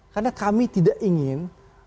karena kami tidak ingin